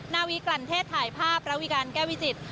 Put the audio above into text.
นาวิกรรณเทศถ่ายภาพระวิการแก้วิจิต